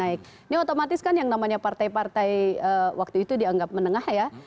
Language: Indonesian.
ini otomatis kan yang namanya partai partai waktu itu dianggap menengah ya